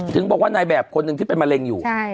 ถึงบอกว่านายแบบคนหนึ่งที่เป็นมะเร็งอยู่